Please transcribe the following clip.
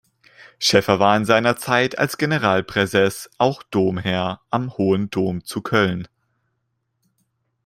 Schäffer war in seiner Zeit als Generalpräses auch Domherr am Hohen Dom zu Köln.